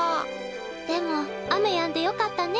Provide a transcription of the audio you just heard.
でも雨やんでよかったね。